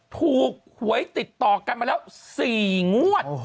ถูกหวยติดต่อกันมาแล้ว๔งวด